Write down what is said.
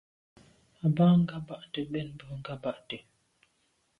A ba nganabte mbèn mbe ngabàgte.